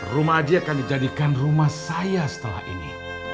rumah aji akan dijadikan rumah saya setelah ini